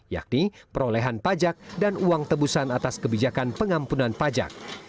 yakni perolehan pajak dan uang tebusan atas kebijakan pengampunan pajak